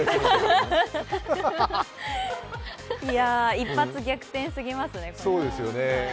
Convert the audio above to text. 一発逆転すぎますね、これ。